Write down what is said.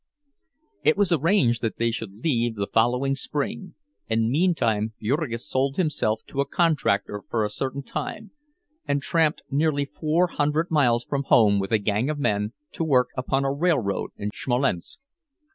It was arranged that they should leave the following spring, and meantime Jurgis sold himself to a contractor for a certain time, and tramped nearly four hundred miles from home with a gang of men to work upon a railroad in Smolensk.